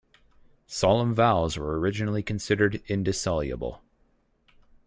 Solemn vows were originally considered indissoluble.